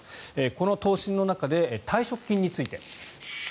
この答申の中で退職金について。